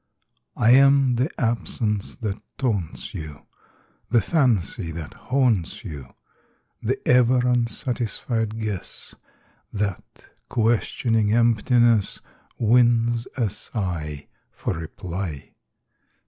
I am the absence that taunts you, The fancy that haunts you; The ever unsatisfied guess That, questioning emptiness, Wins a sigh for reply.